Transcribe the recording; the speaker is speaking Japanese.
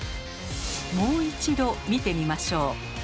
もう一度見てみましょう。